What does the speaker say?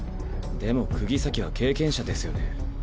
でも釘崎は経験者ですよね？